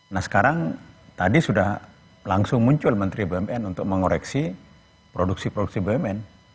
nah sekarang tadi sudah langsung muncul menteri bumn untuk mengoreksi produksi produksi bumn